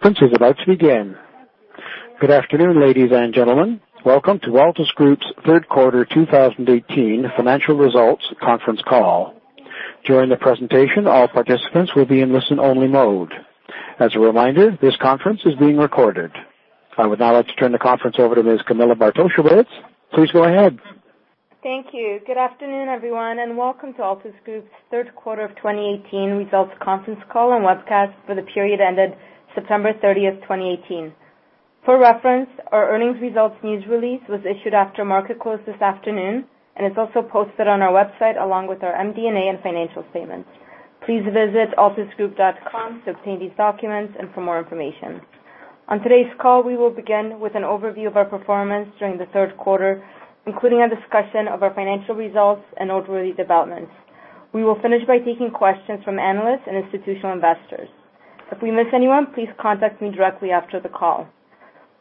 Conference is about to begin. Good afternoon, ladies and gentlemen. Welcome to Altus Group's third quarter 2018 financial results conference call. During the presentation, all participants will be in listen-only mode. As a reminder, this conference is being recorded. I would now like to turn the conference over to Ms. Camilla Bartosiewicz. Please go ahead. Thank you. Good afternoon, everyone, and welcome to Altus Group's third quarter of 2018 results conference call and webcast for the period ended September 30, 2018. For reference, our earnings results news release was issued after market close this afternoon, and it is also posted on our website along with our MD&A and financial statements. Please visit altusgroup.com to obtain these documents and for more information. On today's call, we will begin with an overview of our performance during the third quarter, including a discussion of our financial results and noteworthy developments. We will finish by taking questions from analysts and institutional investors. If we miss anyone, please contact me directly after the call.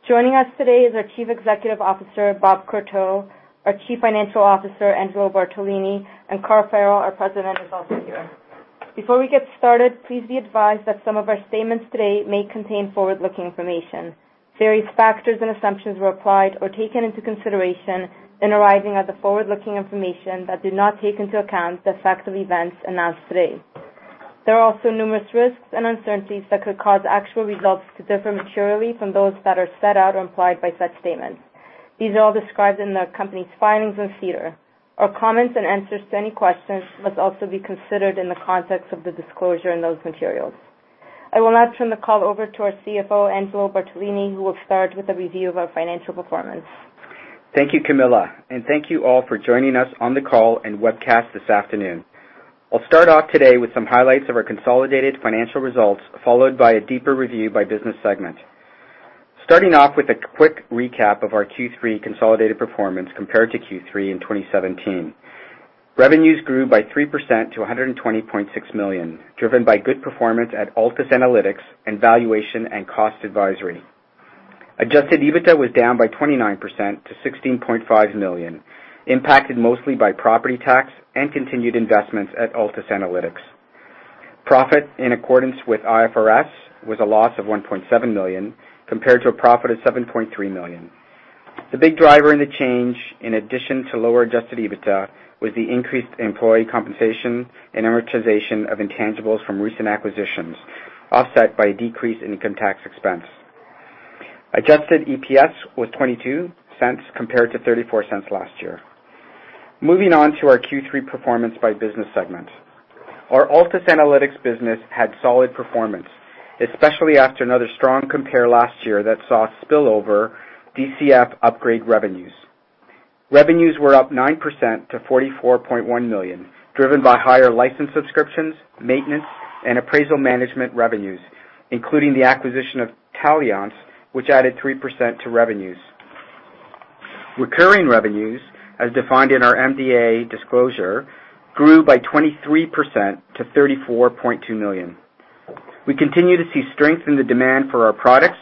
Joining us today is our Chief Executive Officer, Robert Courteau, our Chief Financial Officer, Angelo Bartolini, and Carl Farrell, our President, is also here. Before we get started, please be advised that some of our statements today may contain forward-looking information. Various factors and assumptions were applied or taken into consideration in arriving at the forward-looking information that did not take into account the effect of events announced today. There are also numerous risks and uncertainties that could cause actual results to differ materially from those that are set out or implied by such statements. These are all described in the company's filings with SEDAR. Our comments and answers to any questions must also be considered in the context of the disclosure in those materials. I will now turn the call over to our CFO, Angelo Bartolini, who will start with a review of our financial performance. Thank you, Camilla. Thank you all for joining us on the call and webcast this afternoon. I will start off today with some highlights of our consolidated financial results, followed by a deeper review by business segment. Starting off with a quick recap of our Q3 consolidated performance compared to Q3 in 2017. Revenues grew by 3% to 120.6 million, driven by good performance at Altus Analytics and valuation and cost advisory. Adjusted EBITDA was down by 29% to 16.5 million, impacted mostly by property tax and continued investments at Altus Analytics. Profit, in accordance with IFRS, was a loss of 1.7 million, compared to a profit of 7.3 million. The big driver in the change, in addition to lower adjusted EBITDA, was the increased employee compensation and amortization of intangibles from recent acquisitions, offset by a decrease in income tax expense. Adjusted EPS was 0.22 compared to 0.34 last year. Moving on to our Q3 performance by business segment. Our Altus Analytics business had solid performance, especially after another strong compare last year that saw spillover DCF upgrade revenues. Revenues were up 9% to 44.1 million, driven by higher license subscriptions, maintenance, and appraisal management revenues, including the acquisition of Taliance, which added 3% to revenues. Recurring revenues, as defined in our MDA disclosure, grew by 23% to 34.2 million. We continue to see strength in the demand for our products.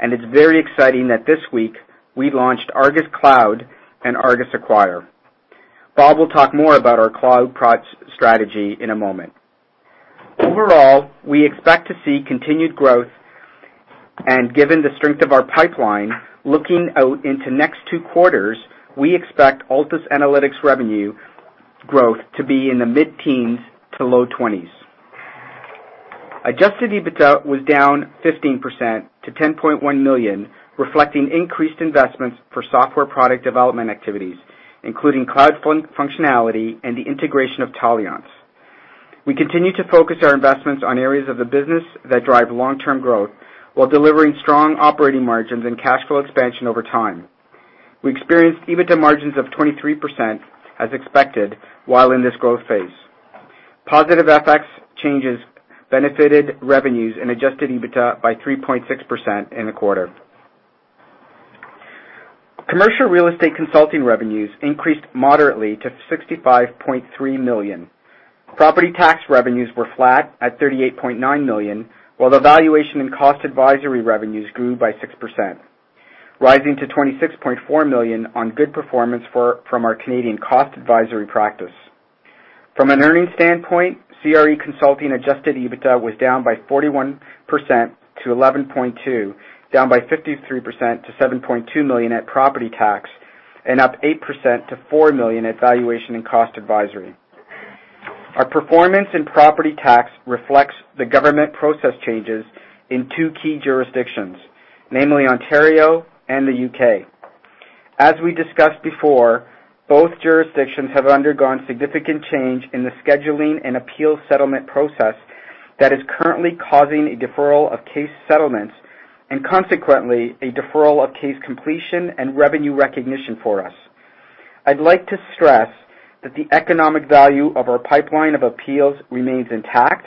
It's very exciting that this week we launched ARGUS Cloud and ARGUS Acquire. Robert will talk more about our cloud product strategy in a moment. We expect to see continued growth. Given the strength of our pipeline, looking out into next two quarters, we expect Altus Analytics revenue growth to be in the mid-teens to low 20s. Adjusted EBITDA was down 15% to 10.1 million, reflecting increased investments for software product development activities, including cloud functionality and the integration of Taliance. We continue to focus our investments on areas of the business that drive long-term growth while delivering strong operating margins and cash flow expansion over time. We experienced EBITDA margins of 23%, as expected, while in this growth phase. Positive FX changes benefited revenues and adjusted EBITDA by 3.6% in the quarter. Commercial real estate consulting revenues increased moderately to 65.3 million. Property tax revenues were flat at 38.9 million, while the valuation and cost advisory revenues grew by 6%, rising to 26.4 million on good performance from our Canadian cost advisory practice. From an earnings standpoint, CRE consulting adjusted EBITDA was down by 41% to 11.2 million, down by 53% to 7.2 million at property tax, and up 8% to 4 million at valuation and cost advisory. Our performance in property tax reflects the government process changes in two key jurisdictions, namely Ontario and the U.K. As we discussed before, both jurisdictions have undergone significant change in the scheduling and appeal settlement process that is currently causing a deferral of case settlements and consequently, a deferral of case completion and revenue recognition for us. I'd like to stress that the economic value of our pipeline of appeals remains intact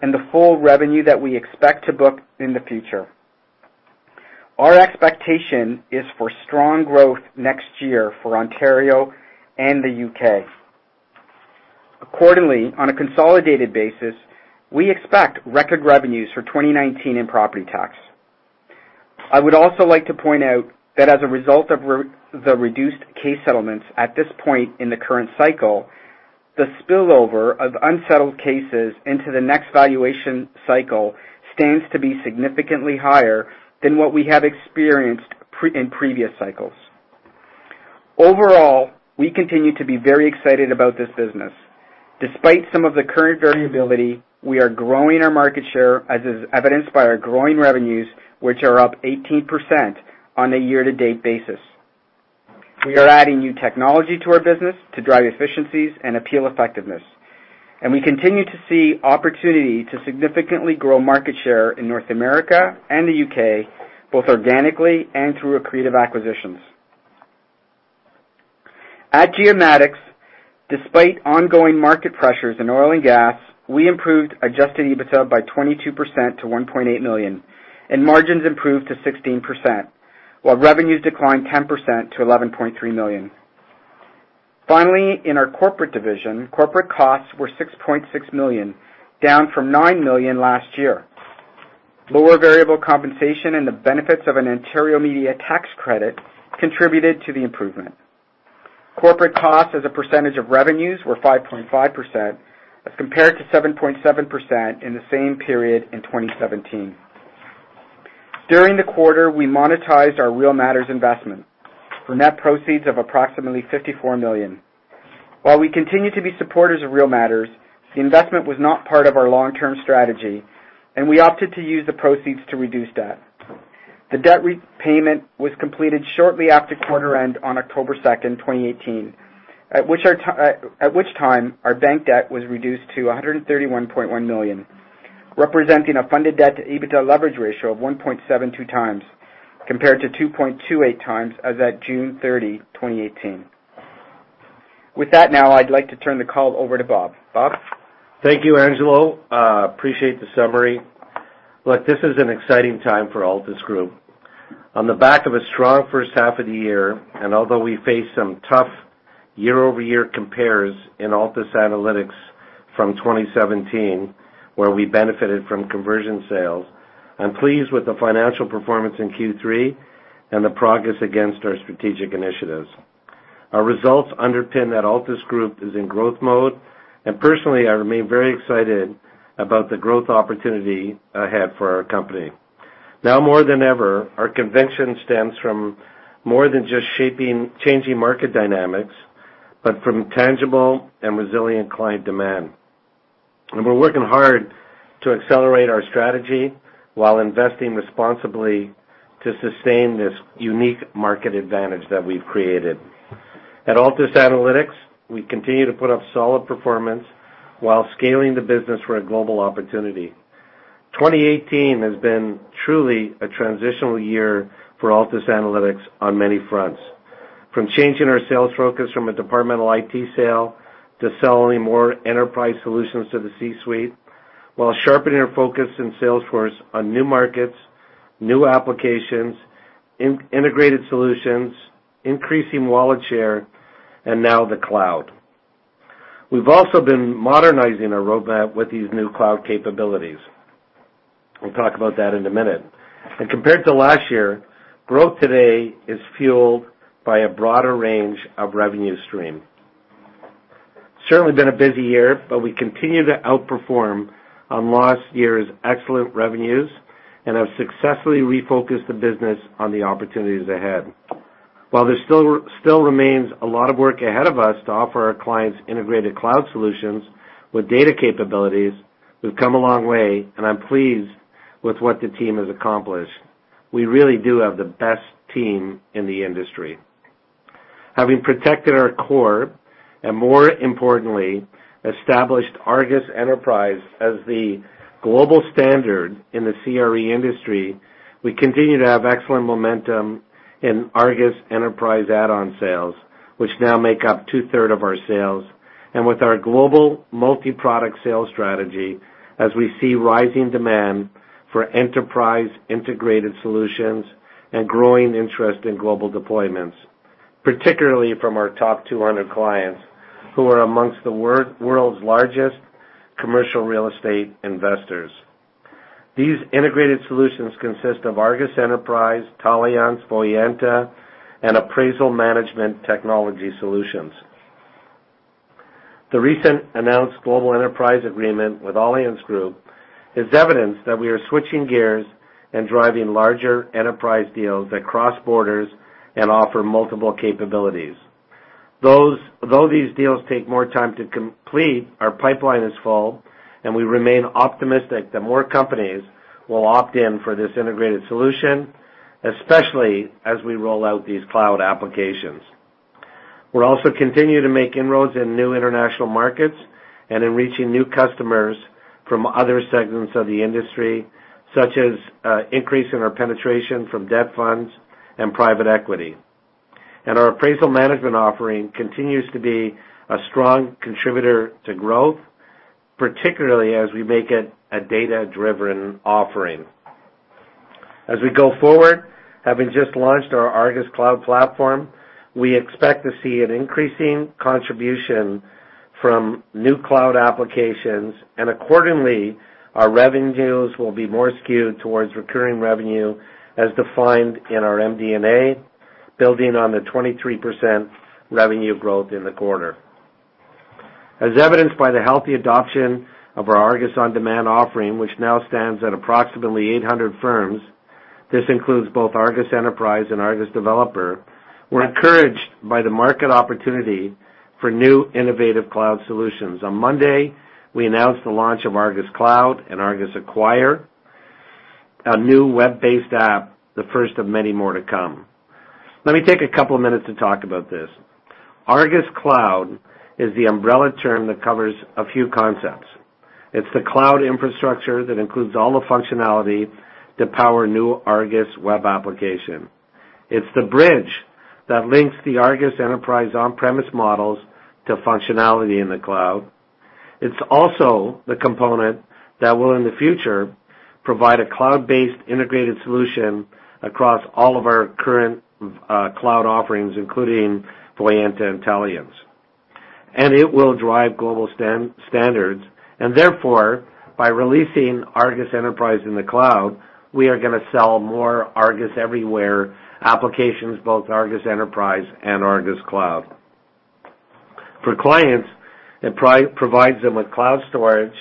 and the full revenue that we expect to book in the future. Our expectation is for strong growth next year for Ontario and the U.K. On a consolidated basis, we expect record revenues for 2019 in property tax. I would also like to point out that as a result of the reduced case settlements at this point in the current cycle, the spillover of unsettled cases into the next valuation cycle stands to be significantly higher than what we have experienced in previous cycles. We continue to be very excited about this business. Despite some of the current variability, we are growing our market share, as is evidenced by our growing revenues, which are up 18% on a year-to-date basis. We are adding new technology to our business to drive efficiencies and appeal effectiveness. We continue to see opportunity to significantly grow market share in North America and the U.K., both organically and through accretive acquisitions. At Geomatics, despite ongoing market pressures in oil and gas, we improved adjusted EBITDA by 22% to 1.8 million, and margins improved to 16%, while revenues declined 10% to 11.3 million. Finally, in our corporate division, corporate costs were 6.6 million, down from 9 million last year. Lower variable compensation and the benefits of an Ontario media tax credit contributed to the improvement. Corporate costs as a percentage of revenues were 5.5%, as compared to 7.7% in the same period in 2017. During the quarter, we monetized our Real Matters investment for net proceeds of approximately 54 million. While we continue to be supporters of Real Matters, the investment was not part of our long-term strategy, and we opted to use the proceeds to reduce debt. The debt repayment was completed shortly after quarter end on October 2nd, 2018, at which time our bank debt was reduced to 131.1 million, representing a funded debt to EBITDA leverage ratio of 1.72 times, compared to 2.28x as at June 30, 2018. With that now, I'd like to turn the call over to Robert. Robert? Thank you, Angelo. Appreciate the summary. Look, this is an exciting time for Altus Group. On the back of a strong first half of the year, although we face some tough year-over-year compares in Altus Analytics from 2017, where we benefited from conversion sales, I'm pleased with the financial performance in Q3 and the progress against our strategic initiatives. Our results underpin that Altus Group is in growth mode, and personally, I remain very excited about the growth opportunity ahead for our company. Now more than ever, our conviction stems from more than just changing market dynamics, but from tangible and resilient client demand. We're working hard to accelerate our strategy while investing responsibly to sustain this unique market advantage that we've created. At Altus Analytics, we continue to put up solid performance while scaling the business for a global opportunity. 2018 has been truly a transitional year for Altus Analytics on many fronts, from changing our sales focus from a departmental IT sale to selling more enterprise solutions to the C-suite, while sharpening our focus in Salesforce on new markets, new applications, integrated solutions, increasing wallet share, and now the cloud. We've also been modernizing our roadmap with these new cloud capabilities. We'll talk about that in a minute. Compared to last year, growth today is fueled by a broader range of revenue stream. It's certainly been a busy year, we continue to outperform on last year's excellent revenues and have successfully refocused the business on the opportunities ahead. While there still remains a lot of work ahead of us to offer our clients integrated cloud solutions with data capabilities, we've come a long way, and I'm pleased with what the team has accomplished. We really do have the best team in the industry. Having protected our core, and more importantly, established ARGUS Enterprise as the global standard in the CRE industry, we continue to have excellent momentum in ARGUS Enterprise add-on sales, which now make up two-third of our sales. With our global multi-product sales strategy, as we see rising demand for enterprise-integrated solutions and growing interest in global deployments, particularly from our top 200 clients, who are amongst the world's largest commercial real estate investors. These integrated solutions consist of ARGUS Enterprise, Taliance, Voyanta, and appraisal management technology solutions. The recent announced global enterprise agreement with Allianz Group is evidence that we are switching gears and driving larger enterprise deals that cross borders and offer multiple capabilities. Though these deals take more time to complete, our pipeline is full, and we remain optimistic that more companies will opt in for this integrated solution, especially as we roll out these cloud applications. We're also continuing to make inroads in new international markets and in reaching new customers from other segments of the industry, such as increase in our penetration from debt funds and private equity. Our appraisal management offering continues to be a strong contributor to growth, particularly as we make it a data-driven offering. As we go forward, having just launched our ARGUS Cloud platform, we expect to see an increasing contribution from new cloud applications, and accordingly, our revenues will be more skewed towards recurring revenue as defined in our MD&A, building on the 23% revenue growth in the quarter. As evidenced by the healthy adoption of our ARGUS On Demand offering, which now stands at approximately 800 firms, this includes both ARGUS Enterprise and ARGUS Developer. We're encouraged by the market opportunity for new innovative cloud solutions. On Monday, we announced the launch of ARGUS Cloud and ARGUS Acquire, a new web-based app, the first of many more to come. Let me take a couple of minutes to talk about this. ARGUS Cloud is the umbrella term that covers a few concepts. It's the cloud infrastructure that includes all the functionality to power new ARGUS web application. It's the bridge that links the ARGUS Enterprise on-premise models to functionality in the cloud. It's also the component that will, in the future, provide a cloud-based integrated solution across all of our current cloud offerings, including Voyanta and Taliance. It will drive global standards. Therefore, by releasing ARGUS Enterprise in the cloud, we are going to sell more ARGUS Everywhere applications, both ARGUS Enterprise and ARGUS Cloud. For clients, it provides them with cloud storage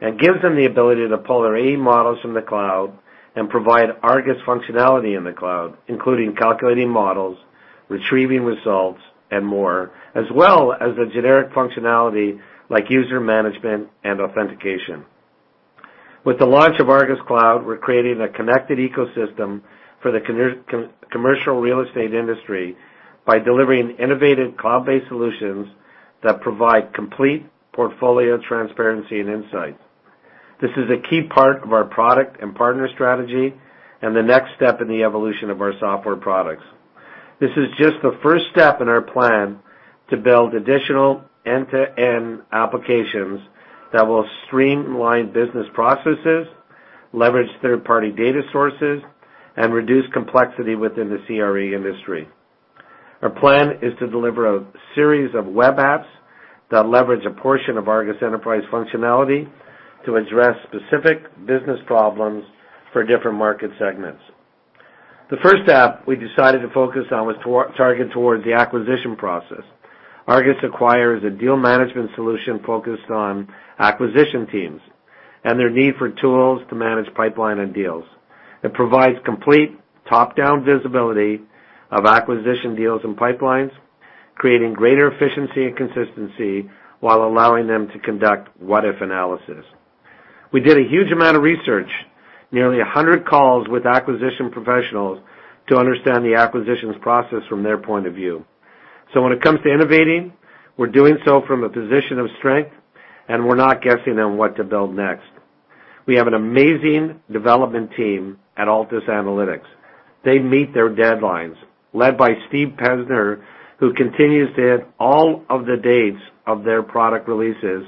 and gives them the ability to pull their AE models from the cloud and provide ARGUS functionality in the cloud, including calculating models, retrieving results, and more, as well as the generic functionality like user management and authentication. With the launch of ARGUS Cloud, we're creating a connected ecosystem for the commercial real estate industry by delivering innovative cloud-based solutions that provide complete portfolio transparency and insight. This is a key part of our product and partner strategy and the next step in the evolution of our software products. This is just the first step in our plan to build additional end-to-end applications that will streamline business processes, leverage third-party data sources, and reduce complexity within the CRE industry. Our plan is to deliver a series of web apps that leverage a portion of ARGUS Enterprise functionality to address specific business problems for different market segments. The first app we decided to focus on was targeted towards the acquisition process. ARGUS Acquire is a deal management solution focused on acquisition teams and their need for tools to manage pipeline and deals. It provides complete top-down visibility of acquisition deals and pipelines, creating greater efficiency and consistency while allowing them to conduct what-if analysis. We did a huge amount of research, nearly 100 calls with acquisition professionals, to understand the acquisitions process from their point of view. When it comes to innovating, we're doing so from a position of strength, and we're not guessing on what to build next. We have an amazing development team at Altus Analytics. They meet their deadlines, led by Steve Bezner, who continues to hit all of the dates of their product releases.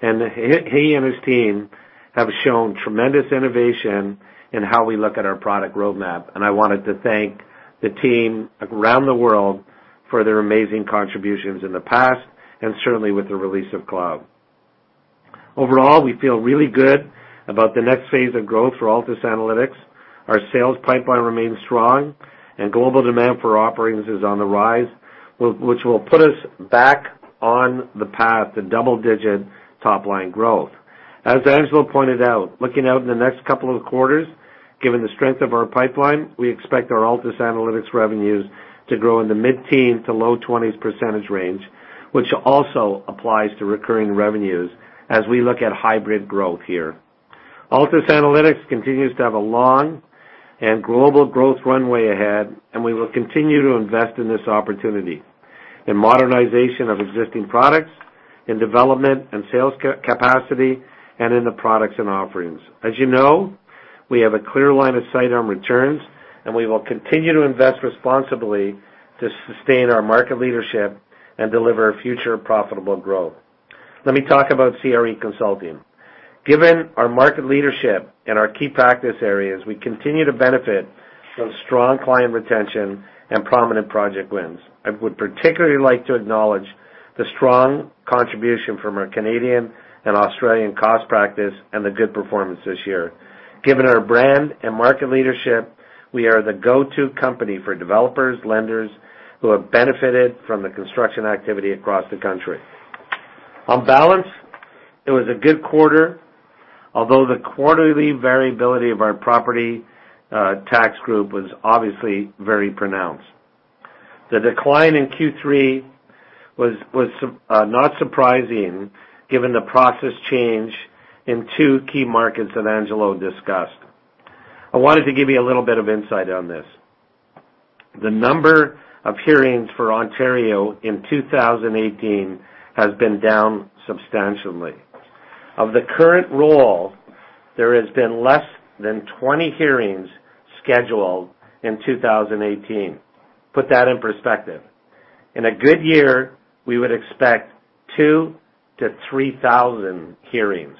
And he and his team have shown tremendous innovation in how we look at our product roadmap. And I wanted to thank the team around the world for their amazing contributions in the past, and certainly with the release of Cloud. Overall, we feel really good about the next phase of growth for Altus Analytics. Our sales pipeline remains strong and global demand for offerings is on the rise, which will put us back on the path to double-digit top-line growth. As Angelo pointed out, looking out in the next couple of quarters, given the strength of our pipeline, we expect our Altus Analytics revenues to grow in the mid-teen to low 20s % range, which also applies to recurring revenues as we look at hybrid growth here. Altus Analytics continues to have a long and global growth runway ahead, and we will continue to invest in this opportunity, in modernization of existing products, in development and sales capacity, and in the products and offerings. As you know, we have a clear line of sight on returns, and we will continue to invest responsibly to sustain our market leadership and deliver future profitable growth. Let me talk about CRE consulting. Given our market leadership and our key practice areas, we continue to benefit from strong client retention and prominent project wins. I would particularly like to acknowledge the strong contribution from our Canadian and Australian cost practice and the good performance this year. Given our brand and market leadership, we are the go-to company for developers, lenders who have benefited from the construction activity across the country. On balance, it was a good quarter, although the quarterly variability of our property tax group was obviously very pronounced. The decline in Q3 was not surprising given the process change in two key markets that Angelo discussed. I wanted to give you a little bit of insight on this. The number of hearings for Ontario in 2018 has been down substantially. Of the current role, there has been less than 20 hearings scheduled in 2018. Put that in perspective. In a good year, we would expect 2,000 to 3,000 hearings.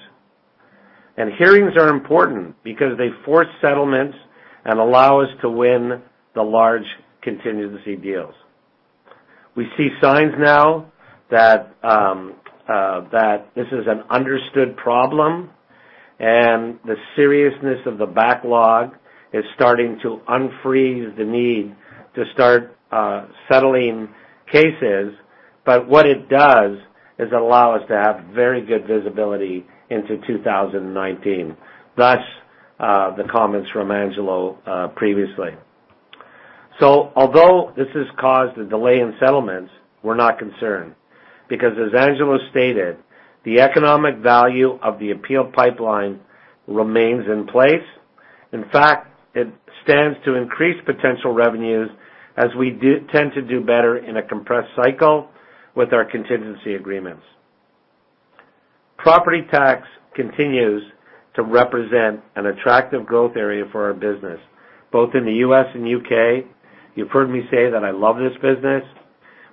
Hearings are important because they force settlements and allow us to win the large contingency deals. We see signs now that this is an understood problem, and the seriousness of the backlog is starting to unfreeze the need to start settling cases. What it does is allow us to have very good visibility into 2019, thus the comments from Angelo previously. Although this has caused a delay in settlements, we're not concerned because as Angelo stated, the economic value of the appeal pipeline remains in place. In fact, it stands to increase potential revenues as we tend to do better in a compressed cycle with our contingency agreements. Property tax continues to represent an attractive growth area for our business, both in the U.S. and U.K. You've heard me say that I love this business.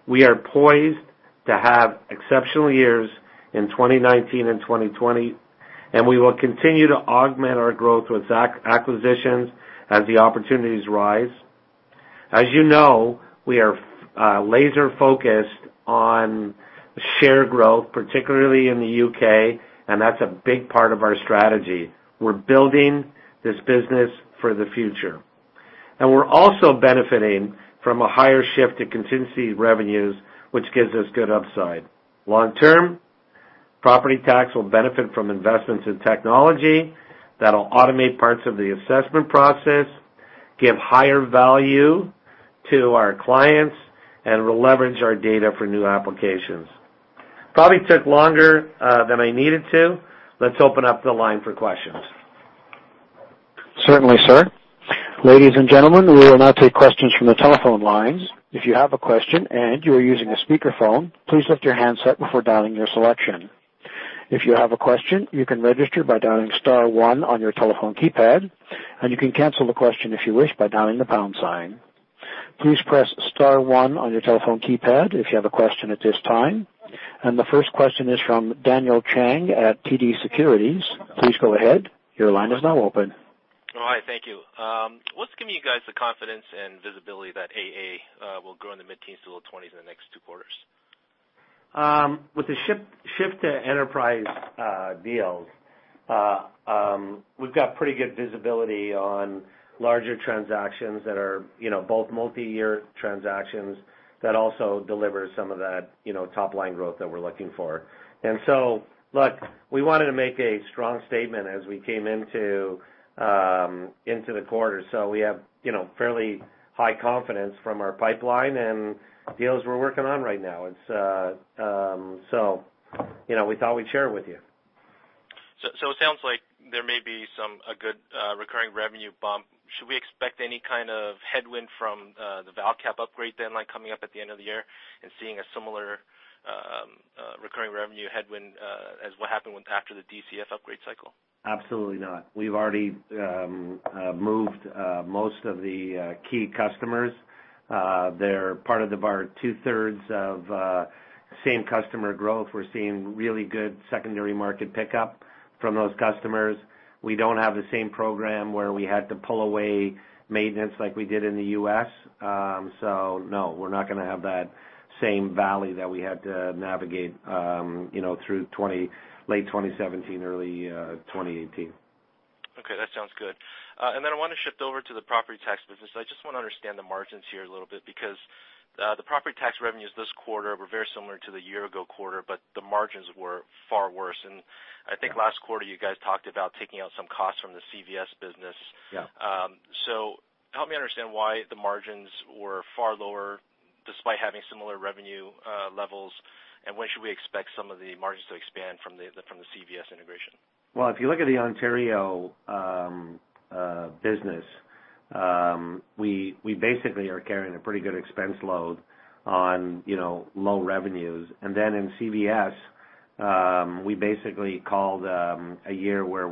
We are poised to have exceptional years in 2019 and 2020. We will continue to augment our growth with acquisitions as the opportunities rise. As you know, we are laser-focused on share growth, particularly in the U.K., and that's a big part of our strategy. We're building this business for the future. We're also benefiting from a higher shift in contingency revenues, which gives us good upside. Long term, property tax will benefit from investments in technology that'll automate parts of the assessment process, give higher value to our clients, and will leverage our data for new applications. Probably took longer than I needed to. Let's open up the line for questions. Certainly, sir. Ladies and gentlemen, we will now take questions from the telephone lines. If you have a question and you are using a speakerphone, please lift your handset before dialing your selection. If you have a question, you can register by dialing star one on your telephone keypad, and you can cancel the question if you wish by dialing the pound sign. Please press star one on your telephone keypad if you have a question at this time. The first question is from Daniel Chan at TD Securities. Please go ahead. Your line is now open. All right. Thank you. What's giving you guys the confidence and visibility that AA will grow in the mid-teens to low 20s in the next two quarters? With the shift to enterprise deals, we've got pretty good visibility on larger transactions that are both multi-year transactions that also deliver some of that top-line growth that we're looking for. Look, we wanted to make a strong statement as we came into the quarter. We have fairly high confidence from our pipeline and deals we're working on right now. We thought we'd share it with you. It sounds like there may be a good recurring revenue bump. Should we expect any kind of headwind from the ARGUS ValCap upgrade then, coming up at the end of the year and seeing a similar recurring revenue headwind as what happened after the DCF upgrade cycle? Absolutely not. We've already moved most of the key customers. They're part of our two-thirds of same customer growth. We're seeing really good secondary market pickup from those customers. We don't have the same program where we had to pull away maintenance like we did in the U.S. No, we're not going to have that same valley that we had to navigate through late 2017, early 2018. Okay. That sounds good. I want to shift over to the property tax business. I just want to understand the margins here a little bit because the property tax revenues this quarter were very similar to the year-ago quarter, the margins were far worse. I think last quarter, you guys talked about taking out some costs from the CVS business. Yeah. Help me understand why the margins were far lower despite having similar revenue levels, and when should we expect some of the margins to expand from the CVS integration? If you look at the Ontario business, we basically are carrying a pretty good expense load on low revenues. In CVS, we basically called a year where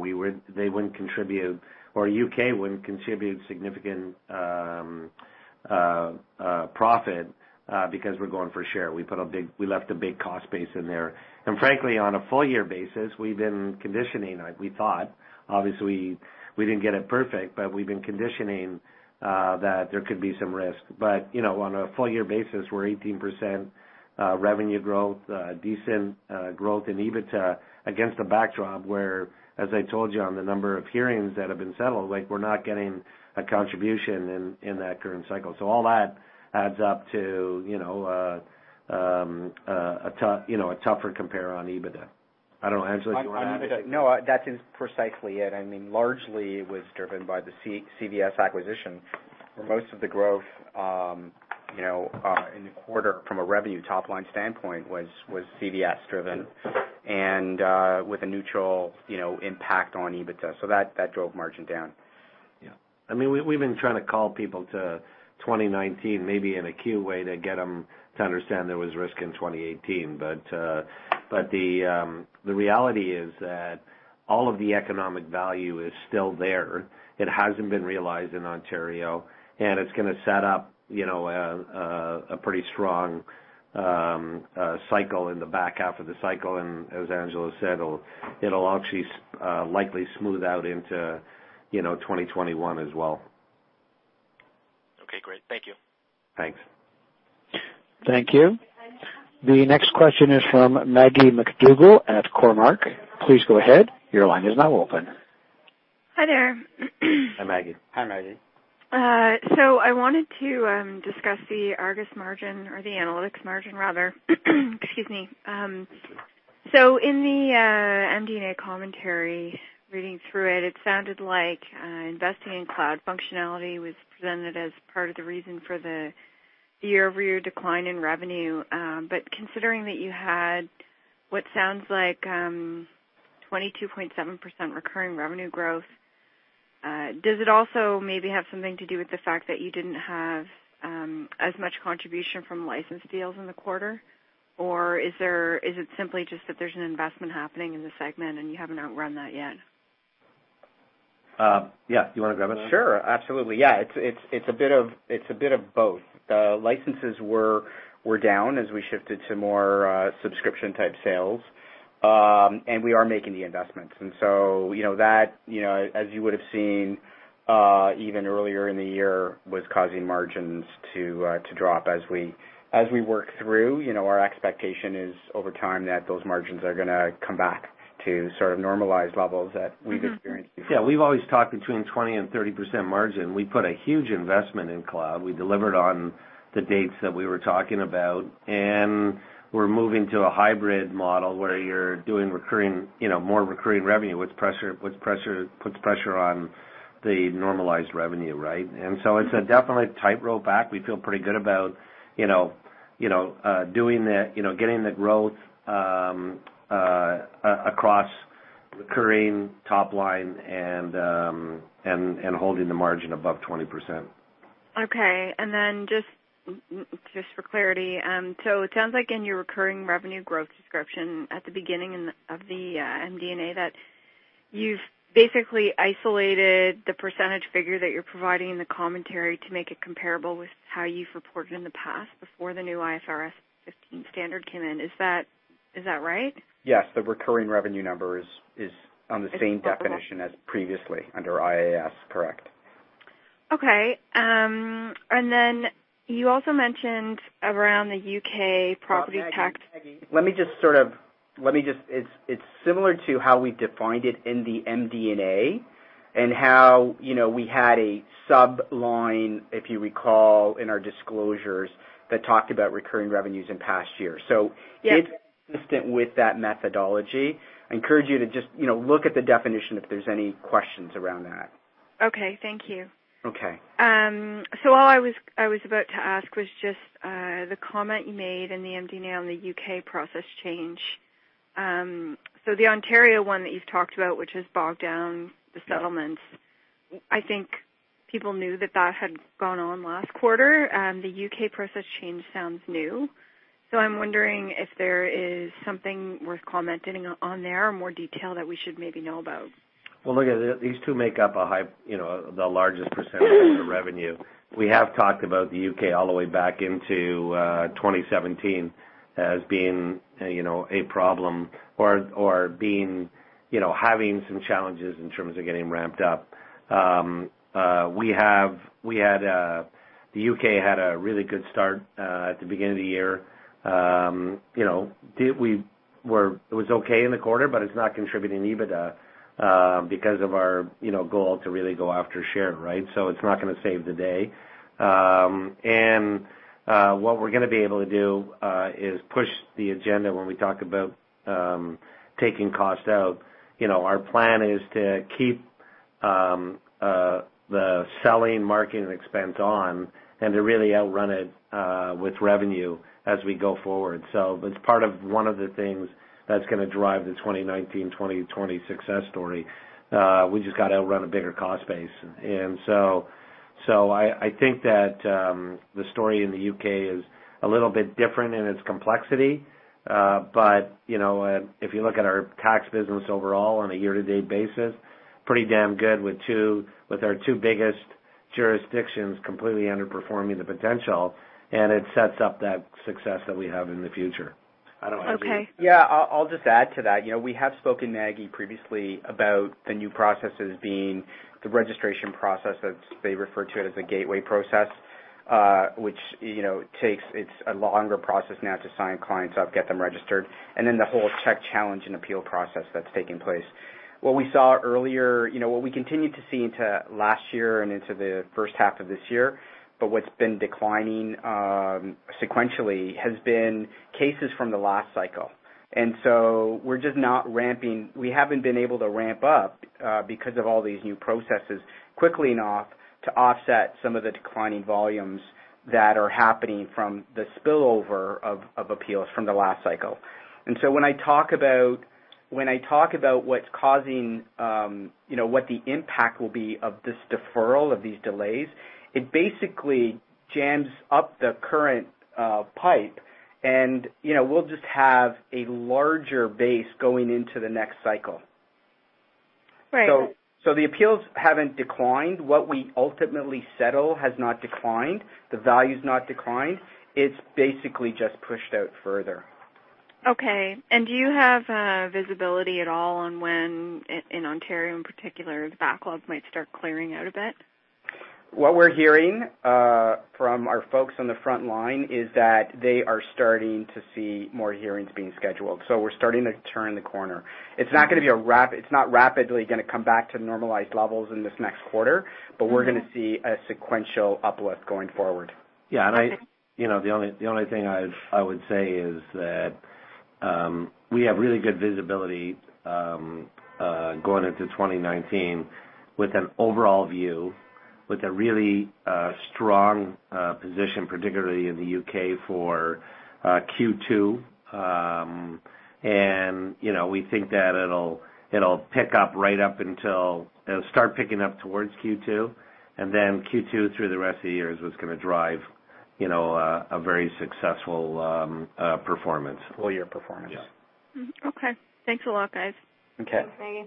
they wouldn't contribute, or U.K. wouldn't contribute significant profit because we're going for share. We left a big cost base in there. Frankly, on a full-year basis, we've been conditioning. We thought, obviously, we didn't get it perfect, but we've been conditioning that there could be some risk. On a full-year basis, we're 18% revenue growth, decent growth in EBITDA against a backdrop where, as I told you on the number of hearings that have been settled, we're not getting a contribution in that current cycle. All that adds up to a tougher compare on EBITDA. I don't know, Angelo, do you want to add anything? No, that is precisely it. Largely, it was driven by the CVS acquisition, where most of the growth in the quarter from a revenue top-line standpoint was CVS driven and with a neutral impact on EBITDA. That drove margin down. We've been trying to call people to 2019, maybe in a cute way to get them to understand there was risk in 2018. The reality is that all of the economic value is still there. It hasn't been realized in Ontario, and it's going to set up a pretty strong cycle in the back half of the cycle. As Angelo said, it'll actually likely smooth out into 2021 as well. Okay, great. Thank you. Thanks. Thank you. The next question is from Maggie MacDougall at Cormark. Please go ahead. Your line is now open. Hi there. Hi, Maggie. Hi, Maggie. I wanted to discuss the ARGUS margin or the Altus Analytics margin rather. Excuse me. In the MD&A commentary, reading through it sounded like investing in cloud functionality was presented as part of the reason for the year-over-year decline in revenue. Considering that you had what sounds like 22.7% recurring revenue growth, does it also maybe have something to do with the fact that you didn't have as much contribution from license deals in the quarter? Is it simply just that there's an investment happening in the segment and you haven't outrun that yet? Yeah. Do you want to grab it? Sure. Absolutely. Yeah. It's a bit of both. The licenses were down as we shifted to more subscription-type sales. We are making the investments and so, as you would've seen even earlier in the year, was causing margins to drop as we work through. Our expectation is over time that those margins are going to come back to sort of normalized levels that we've experienced before. Yeah. We've always talked between 20% and 30% margin. We put a huge investment in cloud. We delivered on the dates that we were talking about, and we're moving to a hybrid model where you're doing more recurring revenue, which puts pressure on the normalized revenue, right? It's a definitely tight rope back. We feel pretty good about getting the growth, across recurring top line and holding the margin above 20%. Okay. Just for clarity, it sounds like in your recurring revenue growth description at the beginning of the MD&A, that you've basically isolated the percentage figure that you're providing in the commentary to make it comparable with how you've reported in the past before the new IFRS 15 standard came in. Is that right? Yes. The recurring revenue number is on the same definition- It's comparable. As previously under IAS. Correct. Okay. Then you also mentioned around the U.K. property tax- Maggie. It's similar to how we've defined it in the MD&A, and how we had a sub-line, if you recall, in our disclosures that talked about recurring revenues in past years. Yeah. It's consistent with that methodology. I encourage you to just look at the definition if there's any questions around that. Okay. Thank you. Okay. All I was about to ask was just, the comment you made in the MD&A on the U.K. process change. The Ontario one that you've talked about, which has bogged down the settlements, I think people knew that that had gone on last quarter. The U.K. process change sounds new, I'm wondering if there is something worth commenting on there or more detail that we should maybe know about. Look at these two make up the largest percentage of the revenue. We have talked about the U.K. all the way back into 2017 as being a problem or having some challenges in terms of getting ramped up. The U.K. had a really good start, at the beginning of the year. It was okay in the quarter, but it's not contributing EBITDA, because of our goal to really go after share, right? It's not going to save the day. What we're going to be able to do, is push the agenda when we talk about taking cost out. Our plan is to keep the selling marketing expense on and to really outrun it with revenue as we go forward. It's part of one of the things that's going to drive the 2019, 2020 success story. We just got to outrun a bigger cost base. I think that the story in the U.K. is a little bit different in its complexity. If you look at our tax business overall on a year-to-date basis, pretty damn good with our two biggest jurisdictions completely underperforming the potential, and it sets up that success that we have in the future. I don't know, Angelo. Okay. Yeah. I'll just add to that. We have spoken, Maggie, previously about the new processes being the registration process, they refer to it as a gateway process, which it's a longer process now to sign clients up, get them registered, and then the whole tech challenge and appeal process that's taking place. What we saw earlier, what we continued to see into last year and into the first half of this year, but what's been declining sequentially has been cases from the last cycle. We haven't been able to ramp up, because of all these new processes quickly enough to offset some of the declining volumes that are happening from the spillover of appeals from the last cycle. When I talk about what the impact will be of this deferral, of these delays, it basically jams up the current pipe and we'll just have a larger base going into the next cycle. Right. The appeals haven't declined. What we ultimately settle has not declined. The value's not declined. It's basically just pushed out further. Okay. Do you have visibility at all on when, in Ontario in particular, the backlogs might start clearing out a bit? What we're hearing from our folks on the front line is that they are starting to see more hearings being scheduled. We're starting to turn the corner. It's not rapidly going to come back to normalized levels in this next quarter, but we're going to see a sequential uplift going forward. Yeah. The only thing I would say is that we have really good visibility going into 2019 with an overall view, with a really strong position, particularly in the U.K. for Q2. We think that it'll start picking up towards Q2, then Q2 through the rest of the year is what's going to drive a very successful full-year performance. Yeah. Okay. Thanks a lot, guys. Okay. Okay.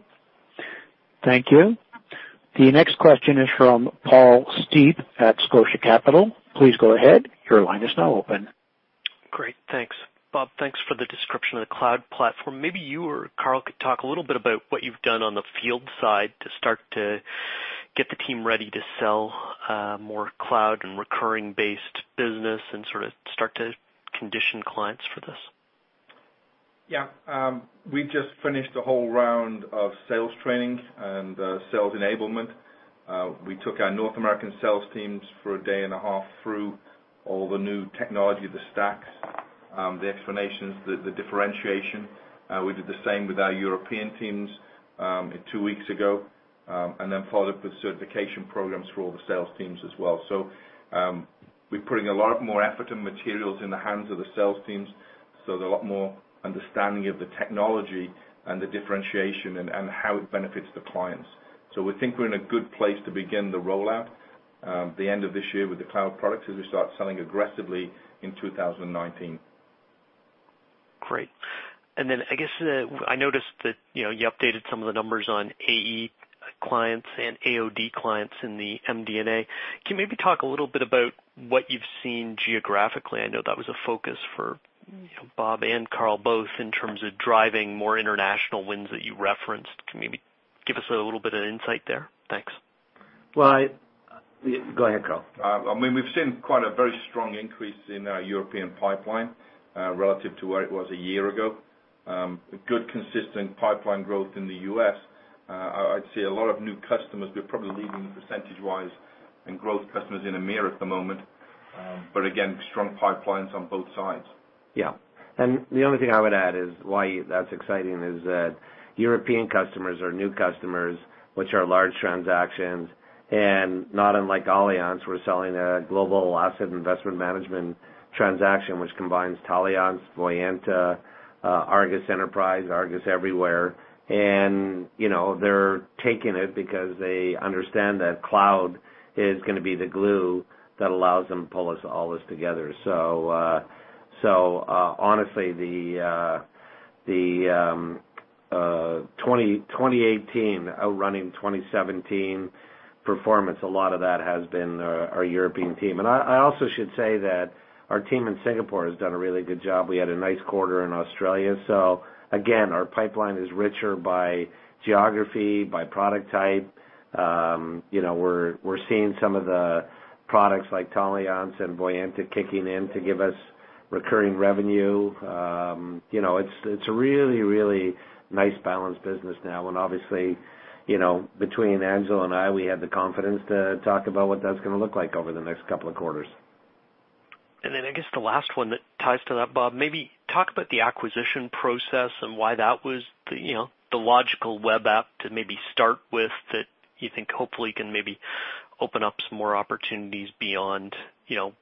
Thank you. The next question is from Paul Steep at Scotia Capital. Please go ahead. Your line is now open. Great. Thanks. Robert, thanks for the description of the cloud platform. Maybe you or Carl could talk a little bit about what you've done on the field side to start to get the team ready to sell more cloud and recurring-based business and sort of start to condition clients for this. We've just finished a whole round of sales training and sales enablement. We took our North American sales teams for a day and a half through all the new technology, the stacks, the explanations, the differentiation. We did the same with our European teams two weeks ago, followed up with certification programs for all the sales teams as well. We're putting a lot more effort and materials in the hands of the sales teams, so they're a lot more understanding of the technology and the differentiation and how it benefits the clients. We think we're in a good place to begin the rollout the end of this year with the cloud products as we start selling aggressively in 2019. Great. I noticed that you updated some of the numbers on AE clients and AOD clients in the MD&A. Can you maybe talk a little bit about what you've seen geographically? I know that was a focus for Robert and Carl both in terms of driving more international wins that you referenced. Can you maybe give us a little bit of insight there? Thanks. Well, I Go ahead, Carl. We've seen quite a very strong increase in our European pipeline relative to where it was a year ago. A good, consistent pipeline growth in the U.S. I'd say a lot of new customers, we're probably leading percentage-wise in growth customers in EMEA at the moment. Again, strong pipelines on both sides. Yeah. The only thing I would add is why that's exciting is that European customers are new customers, which are large transactions, not unlike Allianz, we're selling a global asset investment management transaction, which combines Taliance, Voyanta, ARGUS Enterprise, ARGUS Everywhere. They're taking it because they understand that cloud is going to be the glue that allows them to pull all this together. Honestly, the 2018 outrunning 2017 performance, a lot of that has been our European team. I also should say that our team in Singapore has done a really good job. We had a nice quarter in Australia. Again, our pipeline is richer by geography, by product type. We're seeing some of the products like Taliance and Voyanta kicking in to give us recurring revenue. It's a really, really nice balanced business now. Obviously, between Angelo and I, we have the confidence to talk about what that's going to look like over the next couple of quarters. I guess the last one that ties to that, Robert, maybe talk about the acquisition process and why that was the logical web app to maybe start with that you think hopefully can maybe open up some more opportunities beyond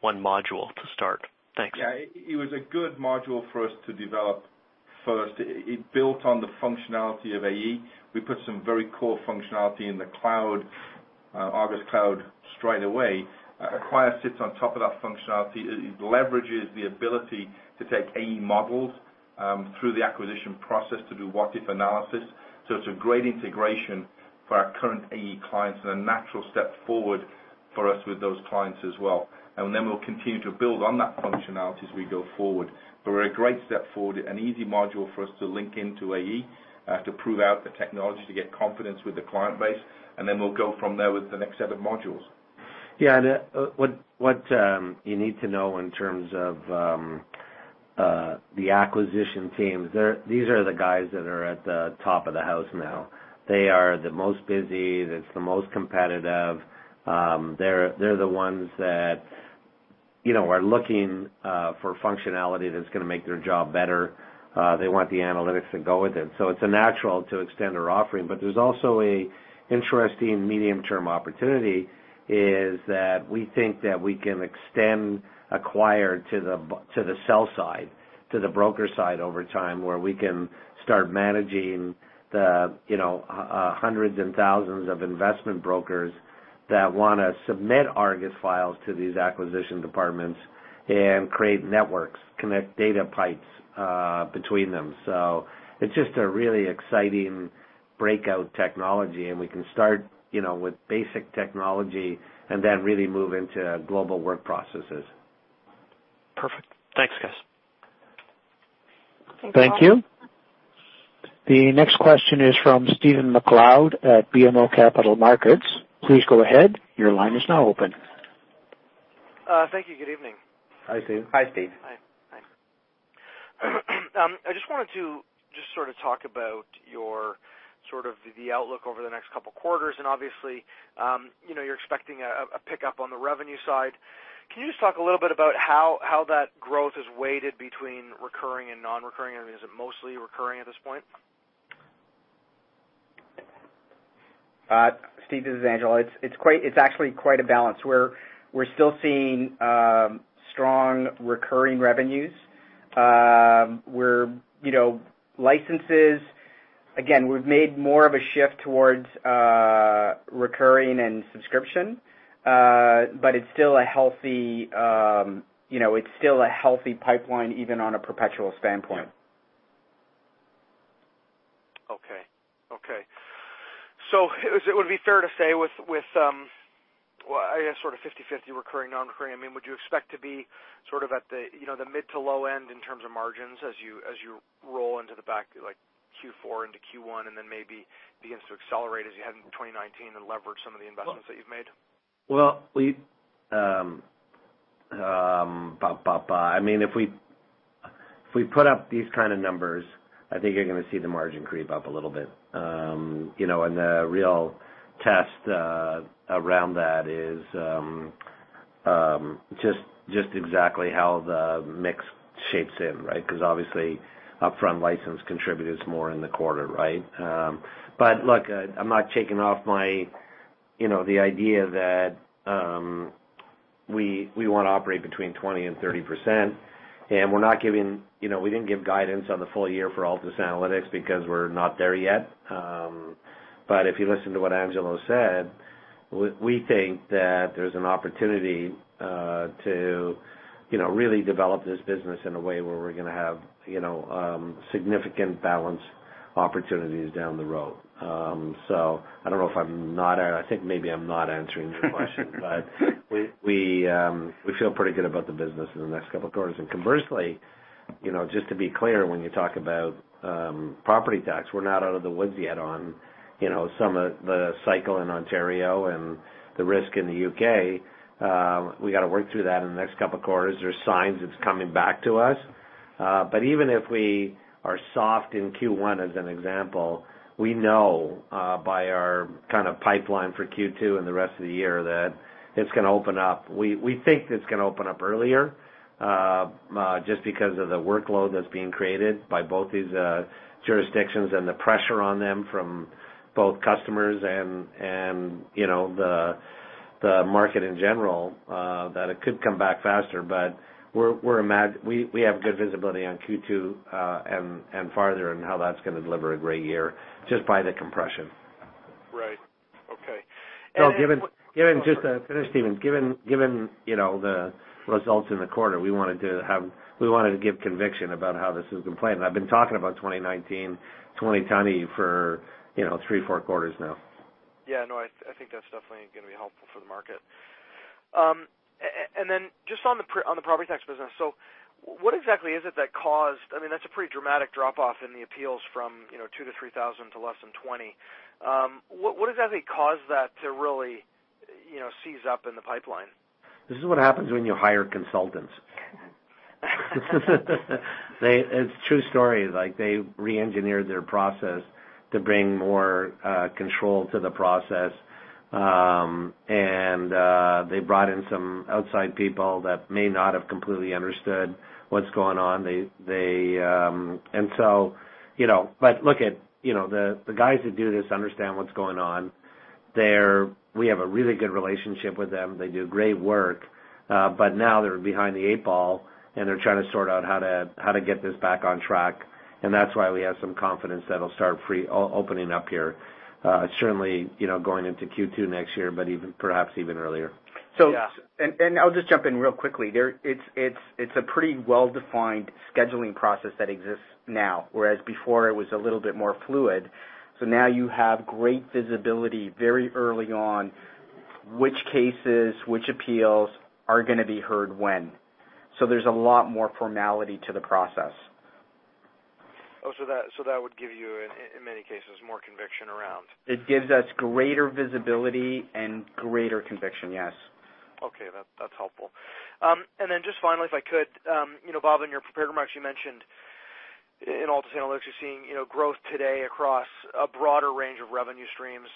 one module to start. Thanks. Yeah. It was a good module for us to develop first. It built on the functionality of AE. We put some very core functionality in the cloud, ARGUS Cloud, straight away. Acquire sits on top of that functionality. It leverages the ability to take AE models through the acquisition process to do what-if analysis. It's a great integration for our current AE clients and a natural step forward for us with those clients as well. We'll continue to build on that functionality as we go forward. We're a great step forward, an easy module for us to link into AE to prove out the technology, to get confidence with the client base, and then we'll go from there with the next set of modules. Yeah. What you need to know in terms of the acquisition teams, these are the guys that are at the top of the house now. They are the most busy. It's the most competitive. They're the ones that are looking for functionality that's going to make their job better. They want the analytics to go with it. It's natural to extend our offering. There's also a interesting medium-term opportunity, is that we think that we can extend Acquire to the sell side, to the broker side over time, where we can start managing the hundreds and thousands of investment brokers that want to submit ARGUS files to these acquisition departments and create networks, connect data pipes between them. It's just a really exciting breakout technology, and we can start with basic technology and then really move into global work processes. Perfect. Thanks, guys. Thank you. The next question is from Stephen MacLeod at BMO Capital Markets. Please go ahead. Your line is now open. Thank you. Good evening. Hi, Stephen. Hi, Stephen. Hi. I just wanted to talk about your outlook over the next couple of quarters, obviously, you're expecting a pickup on the revenue side. Can you just talk a little bit about how that growth is weighted between recurring and non-recurring, is it mostly recurring at this point? Stephen, this is Angelo. It's actually quite a balance, where we're still seeing strong recurring revenues. Licenses, again, we've made more of a shift towards recurring and subscription. It's still a healthy pipeline, even on a perpetual standpoint. Okay. It would be fair to say with, well, I guess sort of 50/50 recurring, non-recurring, would you expect to be at the mid to low end in terms of margins as you roll into the back, like Q4 into Q1, maybe begins to accelerate as you head into 2019 and leverage some of the investments that you've made? Well, if we put up these kind of numbers, I think you're going to see the margin creep up a little bit. The real test around that is just exactly how the mix shapes in, right? Because obviously, upfront license contributed more in the quarter, right? Look, I'm not taking off the idea that we want to operate between 20% and 30%. We didn't give guidance on the full year for Altus Analytics because we're not there yet. If you listen to what Angelo said, we think that there's an opportunity to really develop this business in a way where we're going to have significant balance opportunities down the road. I think maybe I'm not answering your question. We feel pretty good about the business in the next couple of quarters. Conversely, just to be clear, when you talk about property tax, we're not out of the woods yet on some of the cycle in Ontario and the risk in the U.K. We got to work through that in the next couple of quarters. There are signs it's coming back to us. Even if we are soft in Q1, as an example, we know by our pipeline for Q2 and the rest of the year that it's going to open up. We think it's going to open up earlier, just because of the workload that's being created by both these jurisdictions and the pressure on them from both customers and the market in general, that it could come back faster. We have good visibility on Q2 and farther and how that's going to deliver a great year just by the compression. Right. Okay. Just to finish, Stephen, given the results in the quarter, we wanted to give conviction about how this has been playing. I've been talking about 2019, 2020 for three, four quarters now. Yeah. No, I think that's definitely going to be helpful for the market. Just on the property tax business, That's a pretty dramatic drop-off in the appeals from 2,000 to 3,000 to less than 20. What exactly caused that to really seize up in the pipeline? This is what happens when you hire consultants. It's a true story. They re-engineered their process to bring more control to the process, and they brought in some outside people that may not have completely understood what's going on. Look, the guys that do this understand what's going on. We have a really good relationship with them. They do great work. Now they're behind the eight ball, and they're trying to sort out how to get this back on track. That's why we have some confidence that it'll start opening up here, certainly, going into Q2 next year, but perhaps even earlier. I'll just jump in real quickly. It's a pretty well-defined scheduling process that exists now, whereas before it was a little bit more fluid. Now you have great visibility very early on which cases, which appeals are going to be heard when. There's a lot more formality to the process. That would give you, in many cases, more conviction around. It gives us greater visibility and greater conviction, yes. Okay. That's helpful. Then just finally, if I could, Robert, in your prepared remarks, you mentioned in Altus Analytics, you're seeing growth today across a broader range of revenue streams.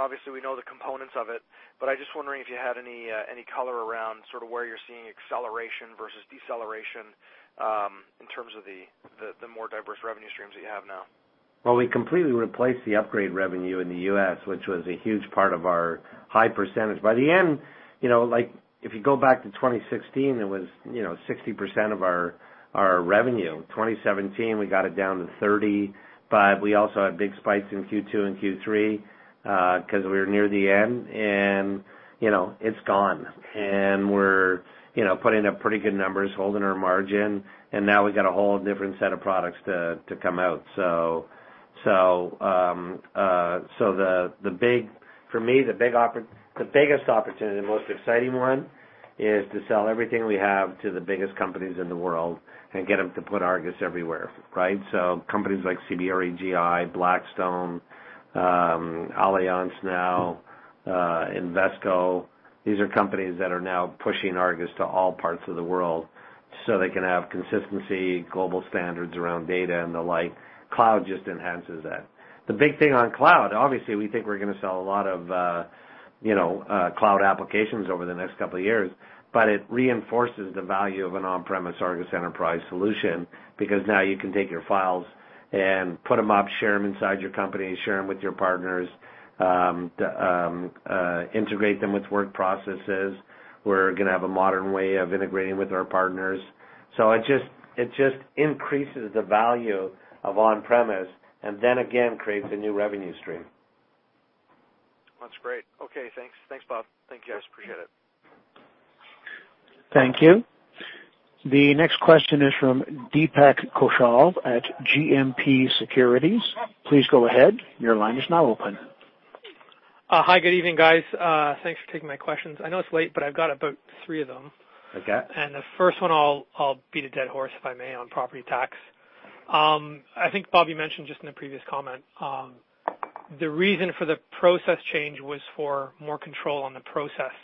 Obviously, we know the components of it, I'm just wondering if you had any color around where you're seeing acceleration versus deceleration in terms of the more diverse revenue streams that you have now. Well, we completely replaced the upgrade revenue in the U.S., which was a huge part of our high percentage. By the end, if you go back to 2016, it was 60% of our revenue. 2017, we got it down to 30, we also had big spikes in Q2 and Q3, because we were near the end, and it's gone. We're putting up pretty good numbers, holding our margin, and now we've got a whole different set of products to come out. So, for me, the biggest opportunity, the most exciting one, is to sell everything we have to the biggest companies in the world and get them to put ARGUS Everywhere, right? Companies like CBRE, JLL, Blackstone, Allianz now, Invesco. These are companies that are now pushing ARGUS to all parts of the world so they can have consistency, global standards around data and the like. Cloud just enhances that. The big thing on cloud, obviously, we think we're going to sell a lot of cloud applications over the next couple of years, but it reinforces the value of an on-premise ARGUS Enterprise solution, because now you can take your files and put them up, share them inside your company, share them with your partners, integrate them with work processes. We're going to have a modern way of integrating with our partners. It just increases the value of on-premise and then again, creates a new revenue stream. That's great. Okay, thanks. Thanks, Robert. Thank you. I appreciate it. Thank you. The next question is from Deepak Kaushal at GMP Securities. Please go ahead. Your line is now open. Hi, good evening, guys. Thanks for taking my questions. I know it's late. I've got about three of them. Okay. The first one, I'll beat a dead horse, if I may, on property tax. I think, Robert, you mentioned just in the previous comment, the reason for the process change was for more control on the process.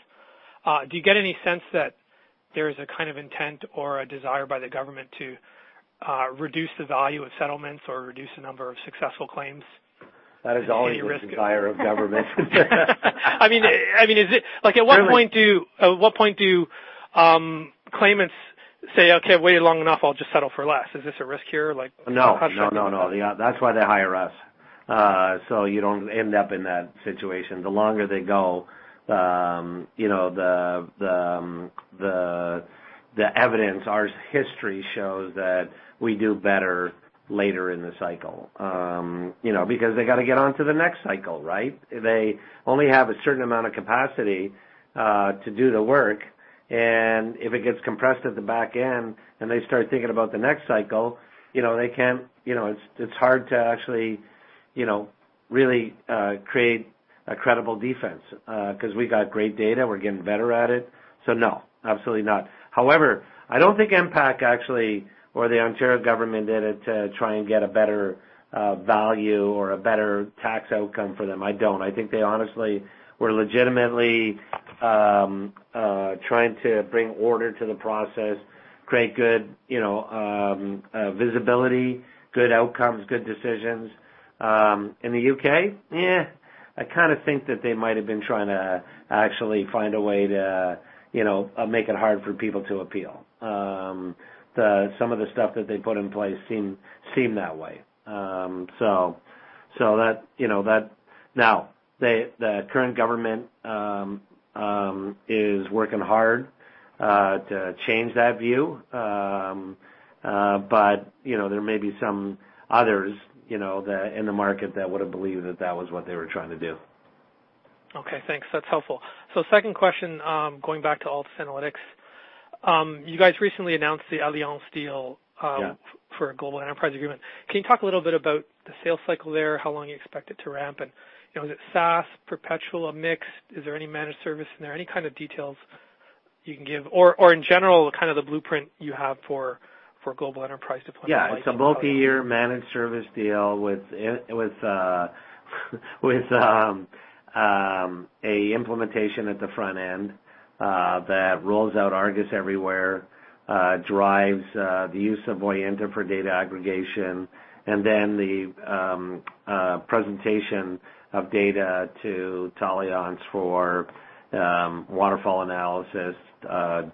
Do you get any sense that there's a kind of intent or a desire by the government to reduce the value of settlements or reduce the number of successful claims? That is always the desire of government. At what point do claimants say, "Okay, I've waited long enough, I'll just settle for less"? Is this a risk here? No. That's why they hire us. You don't end up in that situation. The longer they go, the evidence, our history shows that we do better later in the cycle. They got to get on to the next cycle, right? They only have a certain amount of capacity to do the work, and if it gets compressed at the back end and they start thinking about the next cycle, it's hard to actually really create a credible defense, because we got great data, we're getting better at it. No, absolutely not. However, I don't think MPAC actually, or the Ontario government did it to try and get a better value or a better tax outcome for them. I don't. I think they honestly were legitimately trying to bring order to the process, create good visibility, good outcomes, good decisions. In the U.K., I kind of think that they might have been trying to actually find a way to make it hard for people to appeal. Some of the stuff that they put in place seem that way. The current government is working hard to change that view. There may be some others in the market that would have believed that that was what they were trying to do. Okay, thanks. That's helpful. Second question, going back to Altus Analytics. You guys recently announced the Allianz deal. Yeah for a global enterprise agreement. Can you talk a little bit about the sales cycle there, how long you expect it to ramp? Is it SaaS, perpetual, a mix? Is there any managed service in there? Any kind of details you can give? Or in general, kind of the blueprint you have for global enterprise deployment? Yeah. It's a multi-year managed service deal with an implementation at the front end that rolls out ARGUS Everywhere, drives the use of Voyanta for data aggregation, the presentation of data to Taliance for waterfall analysis,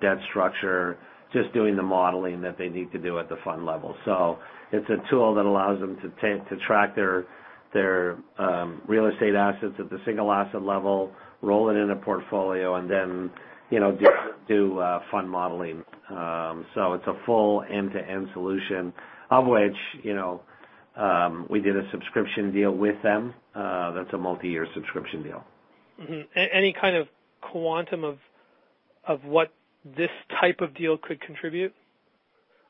debt structure, just doing the modeling that they need to do at the fund level. It's a tool that allows them to track their real estate assets at the single asset level, roll it in a portfolio, and then do fund modeling. It's a full end-to-end solution of which we did a subscription deal with them. That's a multi-year subscription deal. Mm-hmm. Any kind of quantum of what this type of deal could contribute?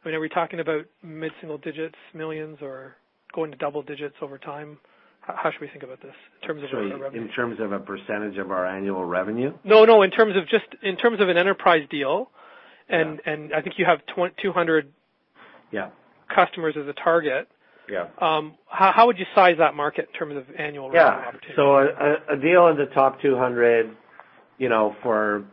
Are we talking about mid-single digits, millions, or going to double digits over time? How should we think about this in terms of revenue? In terms of a percentage of our annual revenue? No, just in terms of an enterprise deal. Yeah. I think you have 200 Yeah Customers as a target. Yeah. How would you size that market in terms of annual revenue opportunity? Yeah. A deal in the top 200 for